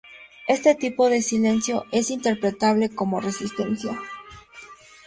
Este tipo de silencio es interpretable como resistencia.